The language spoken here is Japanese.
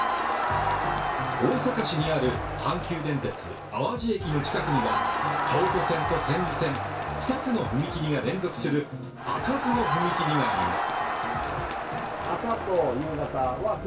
大阪市にある阪急電鉄淡路駅の近くには京都線と千里線２つの踏切が連続する開かずの踏切があります。